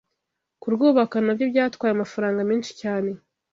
Kurwubaka na byo byatwaye amafaranga menshi cyane